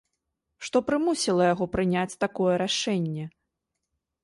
Што прымусіла яго прыняць такое рашэнне?